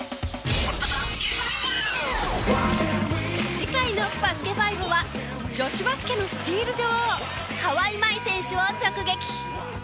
次回の『バスケ☆ＦＩＶＥ』は女子バスケのスティール女王川井麻衣選手を直撃。